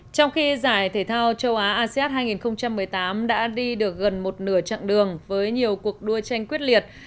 trong khi giải thể thao châu á asean hai nghìn một mươi tám đã đi được gần một nửa chặng đường với nhiều cuộc đua tranh quyết liệt